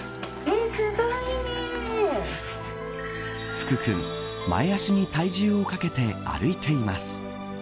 福くん、前足に体重をかけて歩いています。